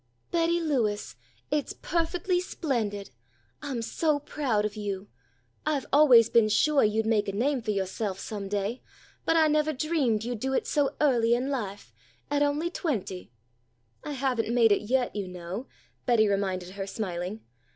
"Betty Lewis, it's perfectly splendid! I'm so proud of you I've always been suah you'd make a name for yoahself some day, but I nevah dreamed you'd do it so early in life, at only twenty!" "I haven't made it yet, you know," Betty reminded her smiling.